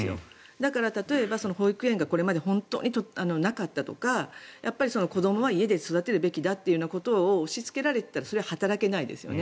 だから、保育園がこれまで本当になかったとか子どもは家で育てるべきだということを押しつけられていたらそれは働けないですよね。